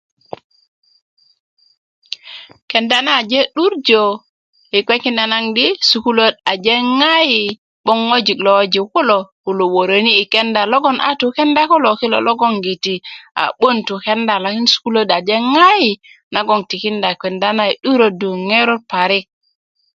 kenda na aje 'durjö yi kpekinda nan di sukuluöt a ke' ŋayi 'boŋ ŋojik lo woji kulo kulo wörö ni yi Kenda logon a tu' yi kenda kilo logon giti a'buwön tu kenda lakin sukuluwöt aje ŋayi nagon tikinda kenda na yi 'durödu i ŋerot parik